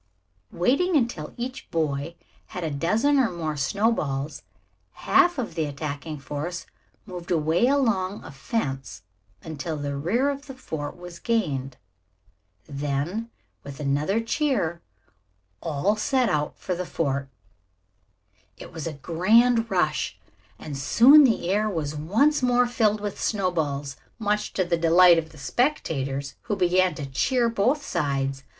Waiting until each boy had a dozen or more snowballs, half of the attacking force moved away along a fence until the rear of the fort was gained. Then, with another cheer, all set out for the fort. It was a grand rush and soon the air was once more filled with snowballs, much to the delight of the spectators, who began to cheer both sides.